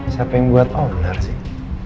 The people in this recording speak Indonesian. siapa yang buat onar sih